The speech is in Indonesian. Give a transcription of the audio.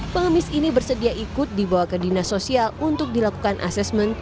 pengemis ini bersedia ikut dibawa ke dinas sosial untuk dilakukan asesmen